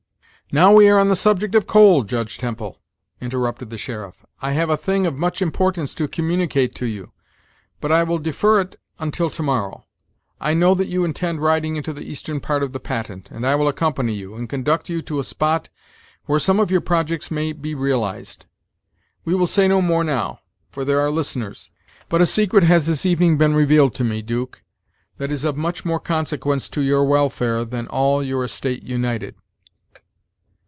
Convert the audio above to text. "Now we are on the subject of coal, Judge Temple," interrupted the sheriff, "I have a thing of much importance to communicate to you; but I will defer it until tomorrow. I know that you intend riding into the eastern part of the Patent, and I will accompany you, and conduct you to a spot where some of your projects may be realized. We will say no more now, for there are listeners; but a secret has this evening been revealed to me, 'Duke, that is of more consequence to your welfare than all your estate united."